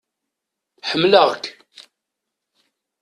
Ḥemmleɣ-k.